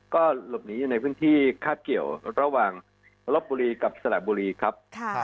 ก็หลบหนีอยู่ในพื้นที่คาบเกี่ยวระหว่างลบบุรีกับสระบุรีครับ